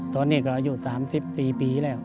ตอนนี้ก็อายุ๓๔ปีแล้ว